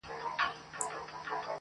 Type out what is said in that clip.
قربان د ډار له کيفيته چي رسوا يې کړم.